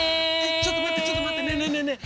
ちょっと待ってちょっと待ってねえねえねえねえ。